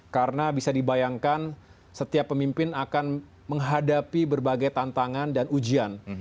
karena bisa dibayangkan setiap pemimpin akan menghadapi berbagai tantangan dan ujian